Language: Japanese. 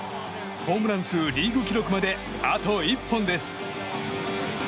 ホームラン数リーグ記録まであと１本です。